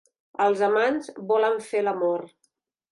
Els amants volen fer l'amor.